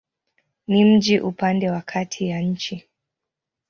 Ni mji upande wa kati ya nchi.